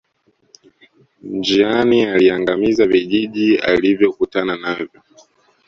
Njiani aliangamiza vijiji alivyokutana navyo